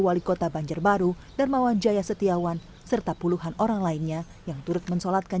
wali kota banjarbaru darmawan jaya setiawan serta puluhan orang lainnya yang turut mensolatkan